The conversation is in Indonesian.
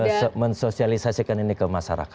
kami siap mensosialisasikan ini ke masyarakat